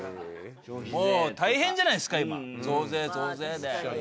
もう大変じゃないですか今増税増税で。